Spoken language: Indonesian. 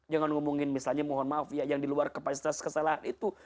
jangan ngomongin misalnya mohon maaf ya yang di luar kapasitas kesalahan itu